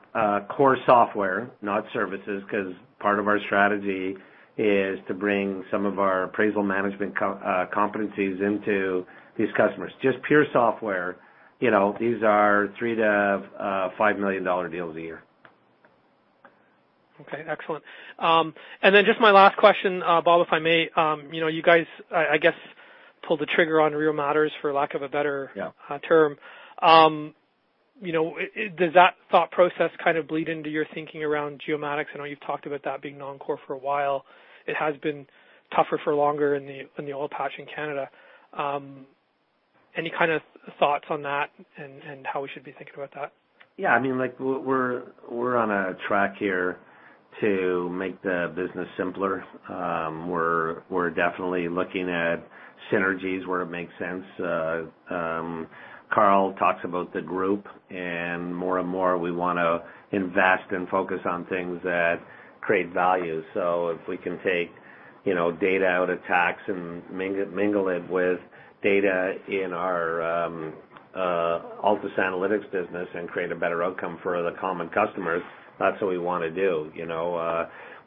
core software, not services, because part of our strategy is to bring some of our appraisal management competencies into these customers. Just pure software, these are 3 million-5 million dollar deals a year. Okay, excellent. Just my last question, Robert, if I may. You guys, I guess, pulled the trigger on Real Matters for lack of a better- Yeah Term. Does that thought process kind of bleed into your thinking around Geomatics? I know you've talked about that being non-core for a while. It has been tougher for longer in the oil patch in Canada. Any kind of thoughts on that and how we should be thinking about that? Yeah, we're on a track here to make the business simpler. We're definitely looking at synergies where it makes sense. Carl talks about the group, and more and more we want to invest and focus on things that create value. If we can take data out of tax and mingle it with data in our Altus Analytics business and create a better outcome for the common customers, that's what we want to do.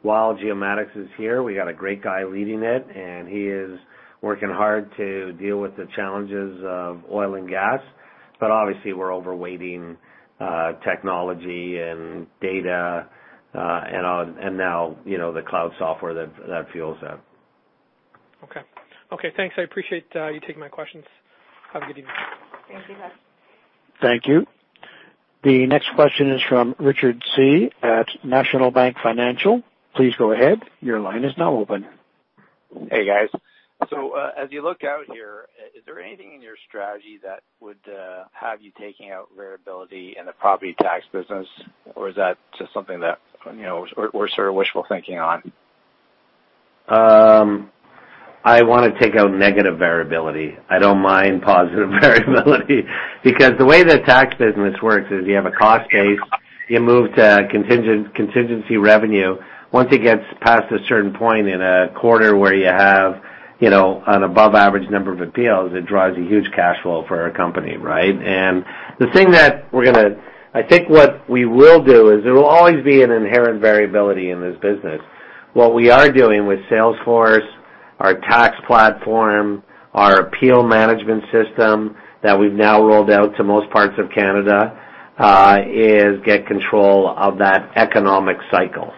While Geomatics is here, we got a great guy leading it, and he is working hard to deal with the challenges of oil and gas. Obviously we're overweighting technology and data, and now the cloud software that fuels that. Okay. Okay, thanks. I appreciate you taking my questions. Have a good evening. Thank you, Deepak. Thank you. The next question is from Richard Tse at National Bank Financial. Please go ahead. Your line is now open. Hey, guys. As you look out here, is there anything in your strategy that would have you taking out variability in the property tax business? Is that just something that we're sort of wishful thinking on? I want to take out negative variability. I don't mind positive variability because the way the tax business works is you have a cost base. You move to contingency revenue. Once it gets past a certain point in a quarter where you have an above-average number of appeals, it drives a huge cash flow for our company, right? I think what we will do is there will always be an inherent variability in this business. What we are doing with Salesforce, our tax platform, our appeal management system that we've now rolled out to most parts of Canada, is get control of that economic cycle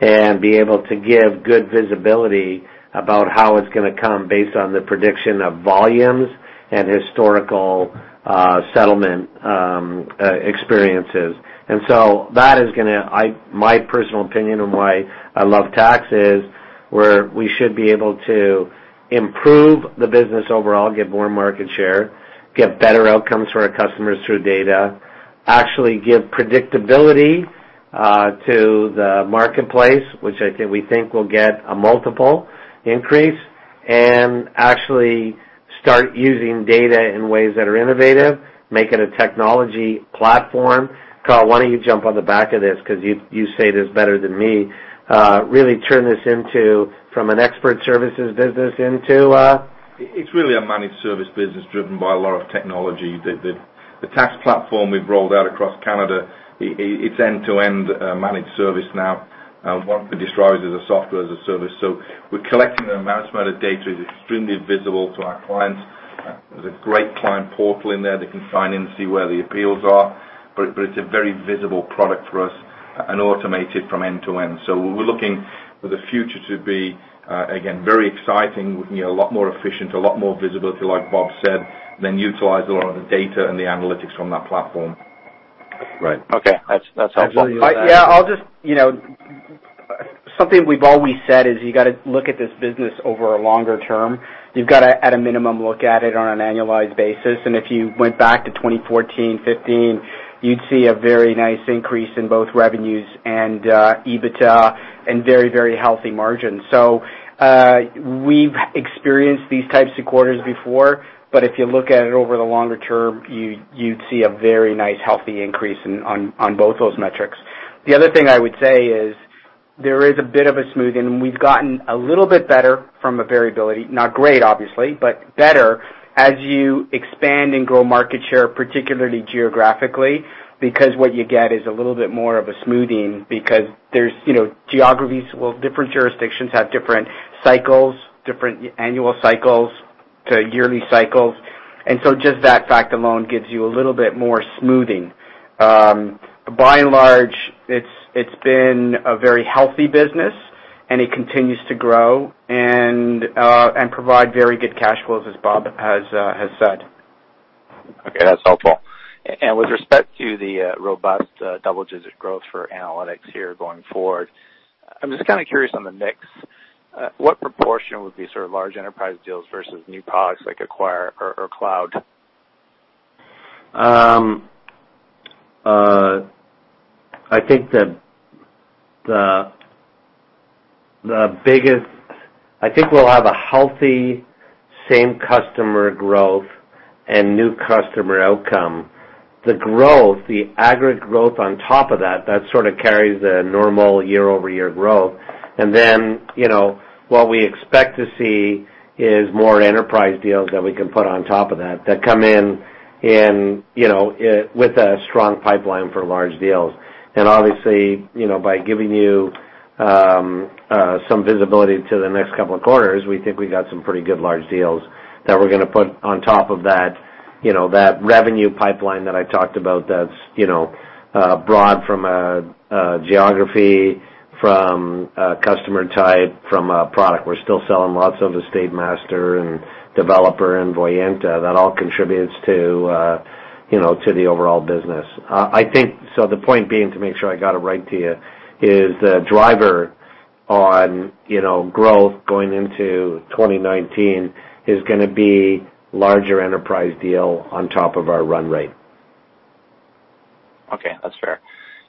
and be able to give good visibility about how it's going to come based on the prediction of volumes and historical settlement experiences. My personal opinion on why I love tax is where we should be able to improve the business overall, get more market share, get better outcomes for our customers through data, actually give predictability to the marketplace, which we think will get a multiple increase, and actually start using data in ways that are innovative, make it a technology platform. Carl, why don't you jump on the back of this because you say this better than me. Really turn this from an expert services business into a- It's really a managed service business driven by a lot of technology. The tax platform we've rolled out across Canada, it's end-to-end managed service now. What we describe as a software as a service. We're collecting an amount of data that is extremely visible to our clients. There's a great client portal in there. They can sign in, see where the appeals are. It's a very visible product for us and automated from end to end. We're looking for the future to be, again, very exciting with a lot more efficient, a lot more visibility, like Robert said, then utilize a lot of the data and the analytics from that platform. Right. Okay. That's helpful. Something we've always said is you got to look at this business over a longer term. You've got to, at a minimum, look at it on an annualized basis. If you went back to 2014, 2015, you'd see a very nice increase in both revenues and EBITDA and very healthy margins. We've experienced these types of quarters before, but if you look at it over the longer term, you'd see a very nice, healthy increase on both those metrics. The other thing I would say is there is a bit of a smoothing, and we've gotten a little bit better from a variability, not great obviously, but better as you expand and grow market share, particularly geographically, because what you get is a little bit more of a smoothing because different jurisdictions have different annual cycles to yearly cycles, and so just that fact alone gives you a little bit more smoothing. By and large, it's been a very healthy business, and it continues to grow and provide very good cash flows as Robert has said. That's helpful. With respect to the robust double-digit growth for Altus Analytics here going forward, I'm just kind of curious on the mix. What proportion would be sort of large enterprise deals versus new products like Acquire or Cloud? I think we'll have a healthy same customer growth and new customer outcome. The growth, the aggregate growth on top of that sort of carries the normal year-over-year growth. Then, what we expect to see is more enterprise deals that we can put on top of that come in with a strong pipeline for large deals. Obviously, by giving you some visibility to the next couple of quarters, we think we got some pretty good large deals that we're going to put on top of that revenue pipeline that I talked about that's broad from a geography, from a customer type, from a product. We're still selling lots of EstateMaster and Developer and Voyanta. That all contributes to the overall business. The point being, to make sure I got it right to you, is the driver of growth going into 2019 is going to be larger enterprise deals on top of our run rate. Okay, that's fair.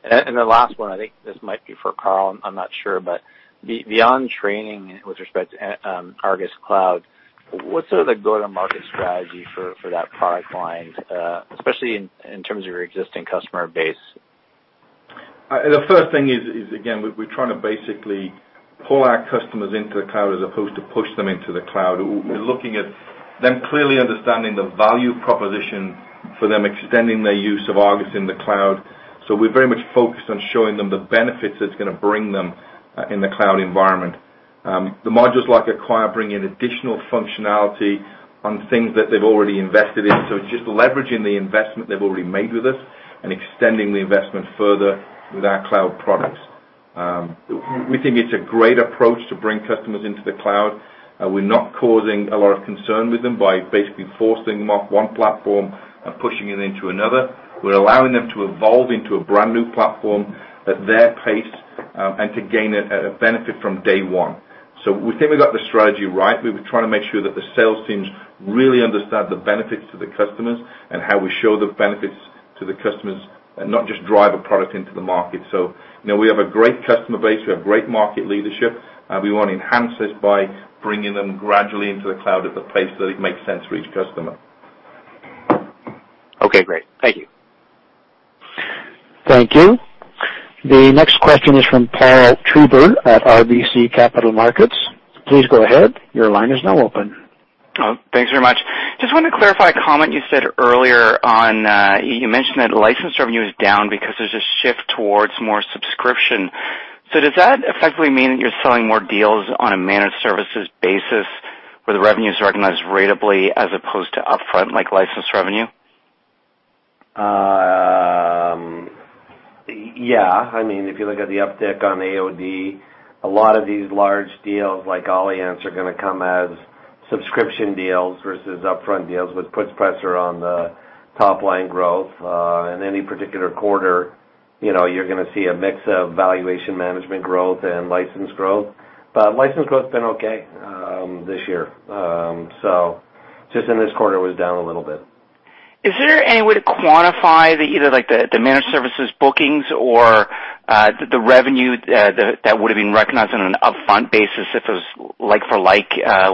The last one, I think this might be for Carl, I'm not sure, but beyond training with respect to ARGUS Cloud, what's the go-to-market strategy for that product line, especially in terms of your existing customer base? The first thing is, again, we're trying to basically pull our customers into the cloud as opposed to push them into the cloud. We're looking at them clearly understanding the value proposition for them extending their use of ARGUS in the cloud. We're very much focused on showing them the benefits it's going to bring them in the cloud environment. The modules like Acquire bring in additional functionality on things that they've already invested in. It's just leveraging the investment they've already made with us and extending the investment further with our cloud products. We think it's a great approach to bring customers into the cloud. We're not causing a lot of concern with them by basically forcing them off one platform and pushing it into another. We're allowing them to evolve into a brand-new platform at their pace and to gain a benefit from day one. We think we got the strategy right. We're trying to make sure that the sales teams really understand the benefits to the customers and how we show the benefits to the customers and not just drive a product into the market. We have a great customer base, we have great market leadership. We want to enhance this by bringing them gradually into the cloud at the pace that it makes sense for each customer. Okay, great. Thank you. Thank you. The next question is from Paul Treiber at RBC Capital Markets. Please go ahead. Your line is now open. Thanks very much. Just wanted to clarify a comment you said earlier on, you mentioned that license revenue is down because there's a shift towards more subscription. Does that effectively mean that you're selling more deals on a managed services basis where the revenue's recognized ratably as opposed to upfront, like license revenue? Yeah. If you look at the uptick on AOD, a lot of these large deals like Allianz are going to come as subscription deals versus upfront deals, which puts pressure on the top-line growth. In any particular quarter, you're going to see a mix of valuation management growth and license growth. License growth's been okay this year. Just in this quarter, it was down a little bit. Is there any way to quantify either the managed services bookings or the revenue that would have been recognized on an upfront basis if it was like for like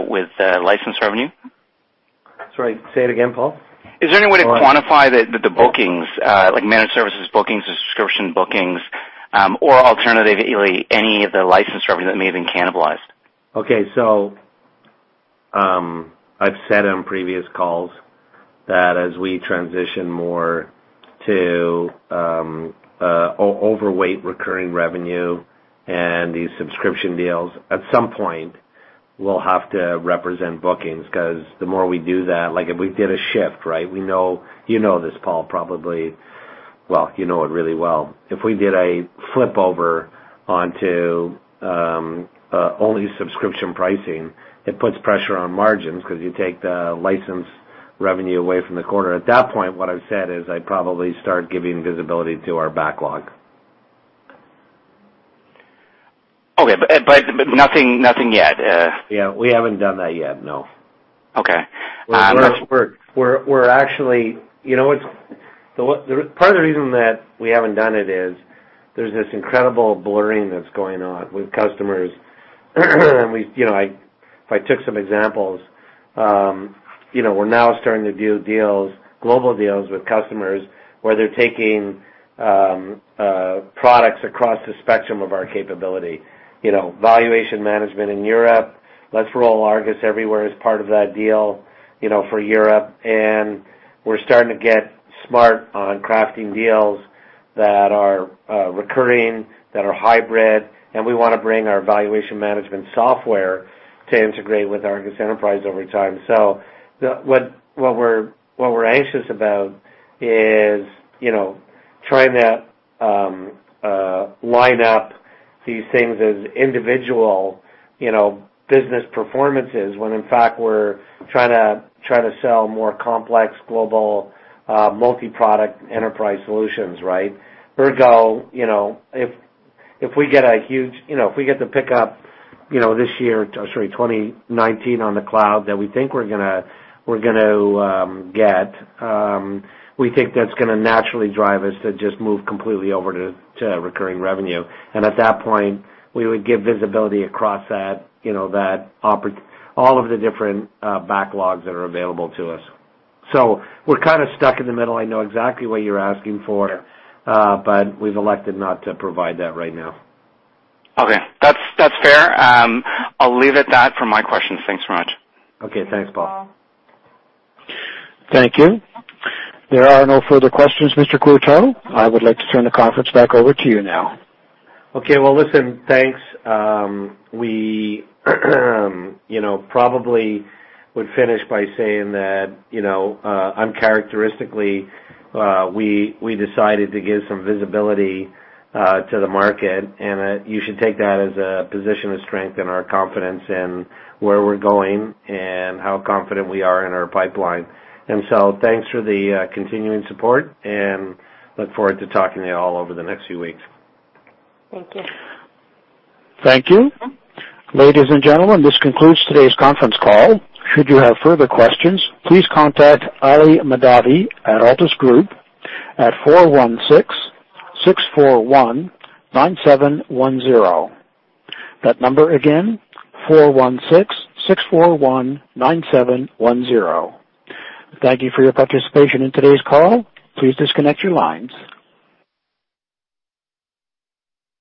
with license revenue? Sorry, say it again, Paul. Is there any way to quantify the bookings, like managed services bookings or subscription bookings, or alternatively any of the license revenue that may have been cannibalized? Okay. I've said on previous calls that as we transition more to overweight recurring revenue and these subscription deals, at some point, we'll have to represent bookings because the more we do that, like if we did a shift, right? You know this, Paul, well, you know it really well. If we did a flip over onto only subscription pricing, it puts pressure on margins because you take the license revenue away from the quarter. At that point, what I've said is I'd probably start giving visibility to our backlog. Okay. Nothing yet. Yeah, we haven't done that yet, no. Okay. Part of the reason that we haven't done it is there's this incredible blurring that's going on with customers. If I took some examples, we're now starting to do deals, global deals with customers, where they're taking products across the spectrum of our capability. Valuation management in Europe, let's roll ARGUS Everywhere as part of that deal for Europe. We're starting to get smart on crafting deals that are recurring, that are hybrid, and we want to bring our valuation management software to integrate with ARGUS Enterprise over time. What we're anxious about is trying to line up these things as individual business performances when in fact, we're trying to sell more complex global multi-product enterprise solutions, right? Ergo, if we get the pickup this year, sorry, 2019 on the cloud that we think we're going to get, we think that's going to naturally drive us to just move completely over to recurring revenue. At that point, we would give visibility across all of the different backlogs that are available to us. We're kind of stuck in the middle. I know exactly what you're asking for. Yeah We've elected not to provide that right now. Okay. That's fair. I'll leave it at that for my questions. Thanks so much. Okay. Thanks, Paul. Thank you. There are no further questions, Mr. Courteau. I would like to turn the conference back over to you now. Okay. Well, listen, thanks. We probably would finish by saying that uncharacteristically, we decided to give some visibility to the market, and you should take that as a position of strength in our confidence in where we're going and how confident we are in our pipeline. Thanks for the continuing support, and look forward to talking to you all over the next few weeks. Thank you. Thank you. Ladies and gentlemen, this concludes today's conference call. Should you have further questions, please contact Ali Madavi at Altus Group at 416-641-9710. That number again, 416-641-9710. Thank you for your participation in today's call. Please disconnect your lines.